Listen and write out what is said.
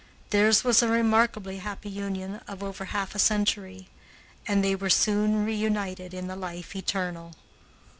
Theirs was a remarkably happy union of over half a century, and they were soon reunited in the life eternal.